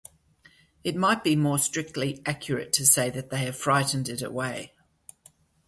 It might be more strictly accurate to say that they have frightened it away.